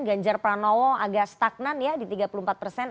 ganjar pranowo agak stagnan ya di tiga puluh empat persen